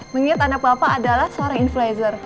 mengingat anak bapak adalah seorang influencer